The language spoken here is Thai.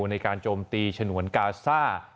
ในการโจมตีฉนวนกาซ่า